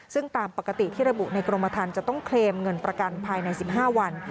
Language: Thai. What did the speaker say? ซึ่งตามปกติที่ระบุในกรมธรรมจะต้องเคลมเงินประกันภายใน๑๕วัน